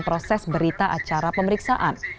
proses berita acara pemeriksaan